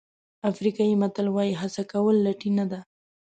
افریقایي متل وایي هڅه کول لټي نه ده.